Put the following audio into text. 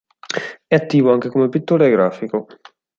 È attivo anche come pittore e grafico.